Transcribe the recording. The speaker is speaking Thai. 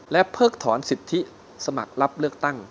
เพิกถอนสิทธิสมัครรับเลือกตั้ง